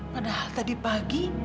padahal tadi pagi